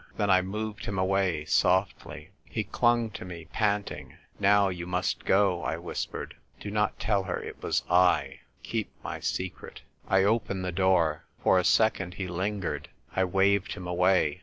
Then I moved him away softly. He clung to me, panting. "Now you must go," I whispered. ' Do not tell her it was /. Keep my secret!" I opened the door. For a second he lin gered. I waved him away.